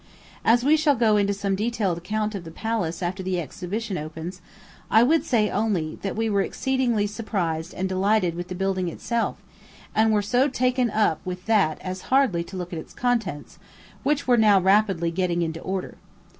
As we shall go into some detailed account of the palace after the exhibition opens, I would only say, that we were exceedingly surprised and delighted with the building itself, and were so taken up with that as hardly to look at its contents, which were now rapidly getting into order.